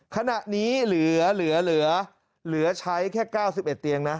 ขณะนี้เหลือใช้แค่๙๑เตียงนะ